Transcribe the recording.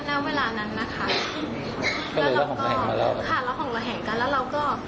ณเวลานั้นนะคะแล้วเราก็ค่ะระห่องระแหงกันแล้วเราก็